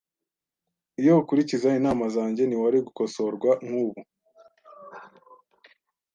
Iyo ukurikiza inama zanjye, ntiwari gukosorwa nkubu.